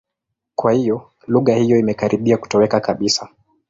Kwa hiyo, lugha hiyo imekaribia kutoweka kabisa.